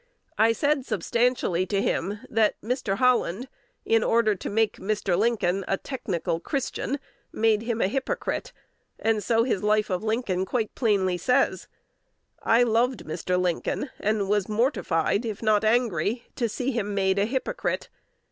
I said substantially to him that Mr. Holland, in order to make Mr. Lincoln a technical Christian, made him a hypocrite; and so his "Life of Lincoln" quite plainly says. I loved Mr. Lincoln, and was mortified, if not angry, to see him made a hypocrite.